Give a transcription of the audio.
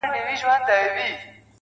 چي لــه ژړا سره خبـري كوم.